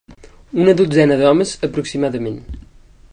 Una dotzena d'homes, aproximadament